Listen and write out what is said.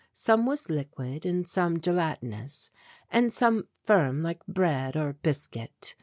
Some was liquid and some gelatinous, and some firm like bread or biscuit.